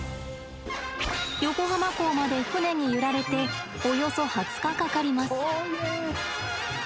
横浜港まで船に揺られておよそ２０日かかります。